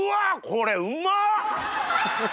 これうまっ！